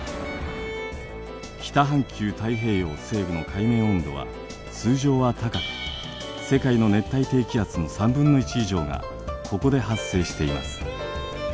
北半球太平洋西部の海面温度は通常は高く世界の熱帯低気圧の３分の１以上がここで発生しています。